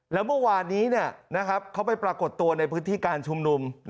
แล้วเมื่อวานนี้เขาไปปรากฏตัวในพื้นที่การชุมนุม